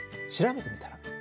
調べてみたら？